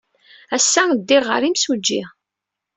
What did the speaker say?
Ass-a, ddiɣ ɣer yimsujji.